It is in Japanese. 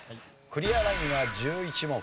クリアラインは１１問。